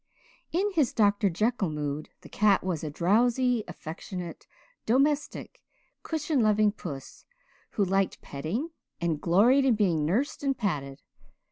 In his Dr. Jekyll mood the cat was a drowsy, affectionate, domestic, cushion loving puss, who liked petting and gloried in being nursed and patted.